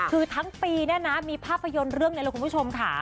อยู่ทั้งปีนะนะมีภาพยนตร์เรื่องคุณผู้ชมค่ะ